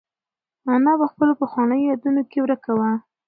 انا په خپلو پخوانیو یادونو کې ورکه وه.